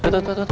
tuh tuh tuh